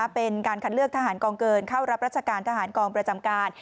เป็นการคัดเลือกทหารกองเกินเข้ารับราชการทหารกองประจำการ